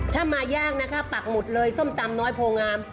ถ้ามายากนะคะปักหมดเลยส้มตำน้อยโพงาม